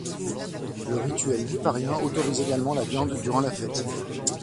Le rituel Liparien autorise également la viande durant la fête.